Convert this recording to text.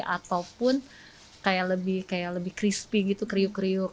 ataupun kayak lebih crispy gitu kriuk kriuk